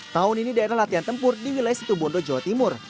tahun ini diadakan latihan tempur di wilayah situ bondo jawa timur